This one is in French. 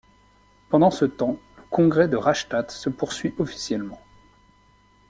Pendant ce temps, le congrès de Rastadt se poursuit officiellement.